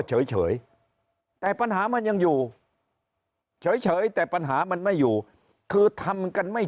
เฉยแต่ปัญหามันยังอยู่เฉยแต่ปัญหามันไม่อยู่คือทำกันไม่